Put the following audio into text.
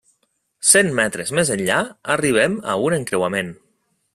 Cent metres més enllà, arribem a un encreuament.